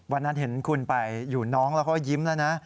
วันนั้นเห็นคุณไปอยู่น้องแล้วเขายิ้มแล้วนะ